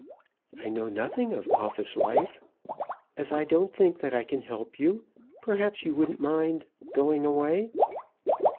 "I know nothing of office life. As I don't think that I can help you, perhaps you wouldn't mind going away?"